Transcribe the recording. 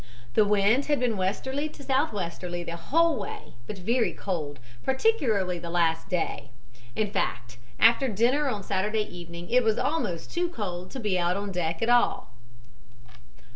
The wind had been westerly to southwesterly the whole way, but very cold, particularly the last day; in fact after dinner on Saturday evening it was almost too cold to be out on deck at all.